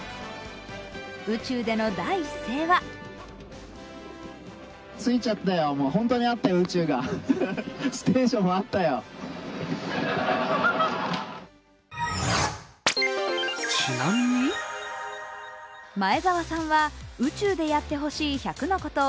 宇宙での第一声は前澤さんは宇宙でやってほしい１００のことを